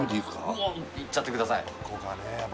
もういっちゃってください